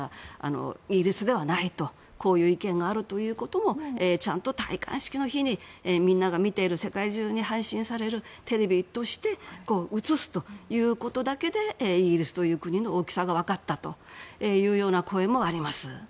イギリスではないというこういう意見があることもちゃんと戴冠式の日にみんなが見ている世界中に配信されるテレビとして映すということだけでイギリスという国の大きさが分かったという声もあります。